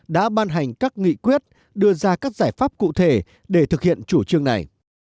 đã ban hành các nghị quyết đưa ra các giải pháp cụ thể để thực hiện chủ trương này